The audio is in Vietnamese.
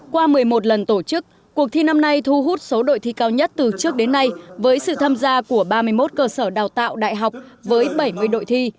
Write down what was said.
qua một mươi một lần tổ chức cuộc thi năm nay thu hút số đội thi cao nhất từ trước đến nay với sự tham gia của ba mươi một cơ sở đào tạo đại học với bảy mươi đội thi